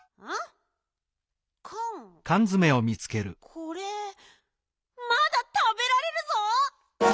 これまだたべられるぞ！